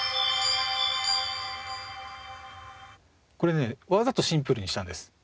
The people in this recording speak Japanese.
これねわざとシンプルにしたんです。